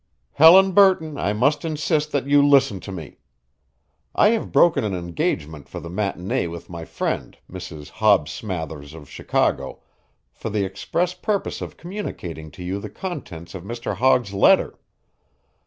"Helen Burton, I must insist that you listen to me. I have broken an engagement for the matinée with my friend, Mrs. Hobbs Smathers of Chicago, for the express purpose of communicating to you the contents of Mr. Hogg's letter.